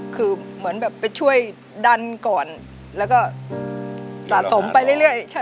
คือเหมือนไปช่วยดันก่อนสะสมไปเรื่อย